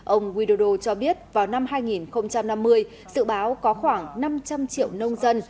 ông widodo cho biết vào năm hai nghìn năm mươi dự báo có khoảng năm trăm linh triệu nông dân